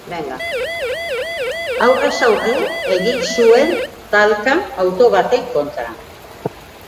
Aurrez aurre egin zuen talka auto baten kontra.